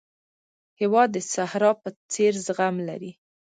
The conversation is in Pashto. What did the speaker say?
هېواد د صحرا په څېر زغم لري.